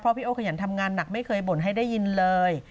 เพราะพี่โอ้เคยหยั่นทำงานหนักไม่เคยบนให้ได้ยินเลย